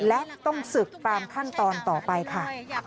และต้องศึกตามขั้นตอนต่อไปค่ะ